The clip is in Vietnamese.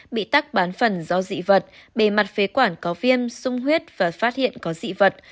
bị tắc bán phần do dị vật bề mặt phế quản có viêm sung huyết và phát hiện có dị vật